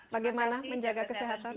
bagaimana menjaga kesehatan